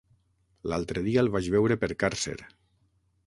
L'altre dia el vaig veure per Càrcer.